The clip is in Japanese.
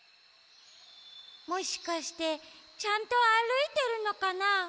もしかしてちゃんとあるいてるのかな？